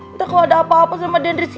entah kalau ada apa apa sama dendri sih